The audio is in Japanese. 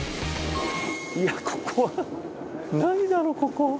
いやここはないだろここ。